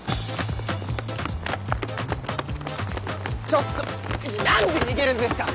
ちょっとなんで逃げるんですか！？